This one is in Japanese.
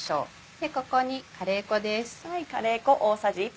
でここにカレー粉です。